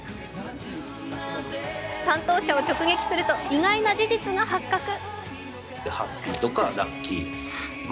担当者を直撃すると、意外な事実が発覚。